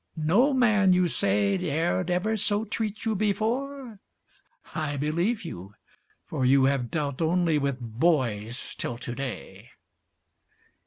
No man, you say, Dared ever so treat you before? I believe you, For you have dealt only with boys till to day.